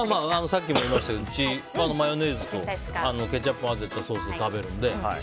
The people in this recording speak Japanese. さっきも言いましたけどうち、マヨネーズとケチャップを混ぜたソースで食べるので。